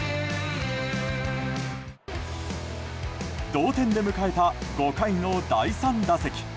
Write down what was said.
同点で迎えた５回の第３打席。